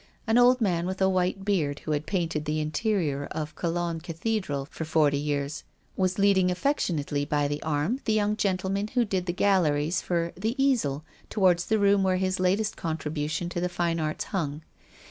An old man with a white beard, who had painted the interior of Cologne Cathedral for forty years, was leading affec tionately by the arm the young gentleman who did the galleries for The Easel, toward the room where his latest contribution to the fine arts hung.